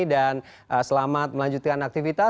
dan selamat melanjutkan aktivitas